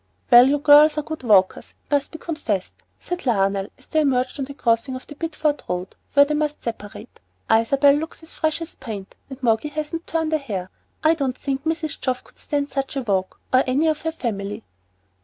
"Well, you girls are good walkers, it must be confessed;" said Lionel, as they emerged on the crossing of the Bideford road where they must separate. "Isabel looks as fresh as paint, and Moggy hasn't turned a hair. I don't think Mrs. Geoff could stand such a walk, or any of her family."